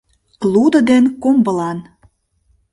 Лудо ден комбылан.